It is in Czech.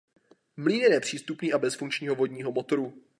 Mlýn je nepřístupný a bez funkčního vodního motoru.